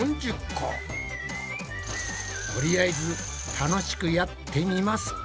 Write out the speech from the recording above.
とりあえず楽しくやってみますか。